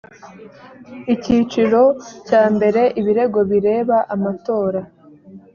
icyiciro cya mbere ibirego bireba amatora